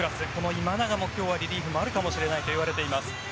今永も今日はリリーフがあるかもしれないといわれています。